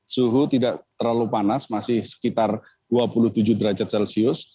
suhu tidak terlalu panas masih sekitar dua puluh tujuh derajat celcius